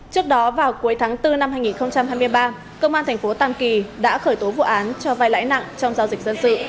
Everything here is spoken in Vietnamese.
trước đó vào cuối tháng bốn năm hai nghìn hai mươi ba cơ quan tp tàm kỳ đã khởi tố vụ án cho vay lãi nặng trong giao dịch dân sự